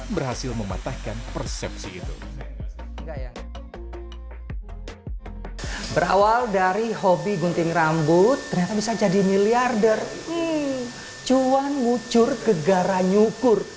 berawal dari hobi gunting rambut bisa jadi miliarder cuan ngucur ke gara nyukur